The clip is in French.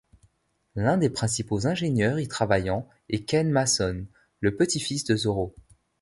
L'un des principaux ingénieurs y travaillant est Ken Mason, le petit-fils de Zorro.